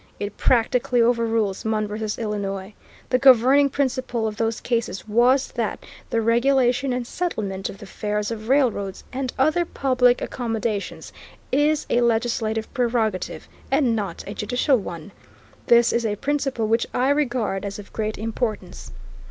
It practically overrules Munn v. Illinois.... The governing principle of those cases was that the regulation and settlement of the fares of railroads and other public accommodations is a legislative prerogative, and not a judicial one. This is a principle which I regard as of great importance....